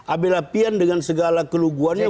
ambil lapian dengan segala keluguannya